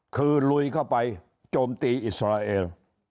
คือลุยเข้าไปโจมตีอิสราเอล